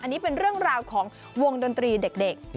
อันนี้เป็นเรื่องราวของวงดนตรีเด็ก